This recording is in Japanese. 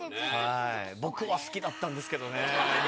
僕は好きだったんですけどね。